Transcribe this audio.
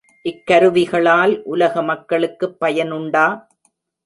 இக்கருவிகளால் உலக மக்களுக்குப் பயனுண்டா?